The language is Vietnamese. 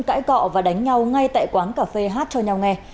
cãi cọ và đánh nhau ngay tại quán cà phê hát cho nhau nghe